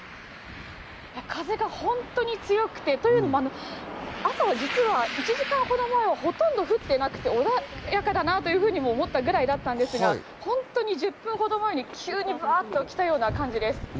風が本当に強くて、というのも朝は、実は１時間ほど前はほとんど降っていなくて、穏やかだなと思ったくらいだったんですが本当に１０分ほど前に急にフワっと来たような感じです。